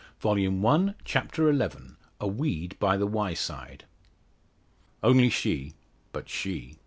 Volume One, Chapter XI. A WEED BY THE WYESIDE. "Only she but she!"